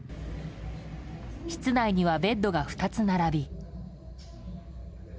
室内にはベッドが２つ並び。